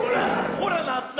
ほらなった。